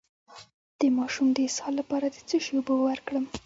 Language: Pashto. د ماشوم د اسهال لپاره د څه شي اوبه ورکړم؟